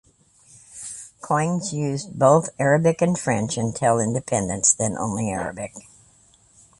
Coins used both Arabic and French until independence, then only Arabic.